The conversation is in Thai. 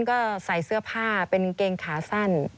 ก็ใส่เสื้อผ้าเป็นเกงขาสั้น